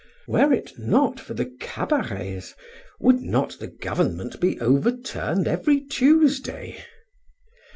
Were it not for the cabarets, would not the Government be overturned every Tuesday?